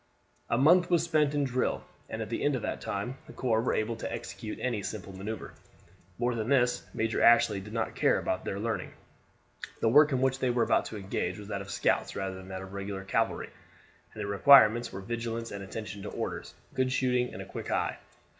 A month was spent in drill, and at the end of that time the corps were able to execute any simple maneuver. More than this Major Ashley did not care about their learning. The work in which they were about to engage was that of scouts rather than that of regular cavalry, and the requirements were vigilance and attention to orders, good shooting and a quick eye.